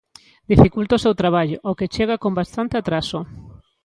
Dificulta o seu traballo, ao que chega con bastante atraso.